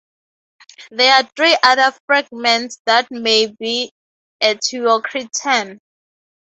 There are three other fragments that may be Eteocretan.